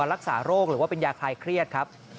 รักษาโรคหรือว่าเป็นยาคลายเครียดครับ